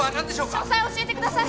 ・詳細を教えてください！